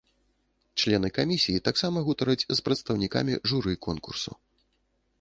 Члены камісіі таксама гутараць з прадстаўнікамі журы конкурсу.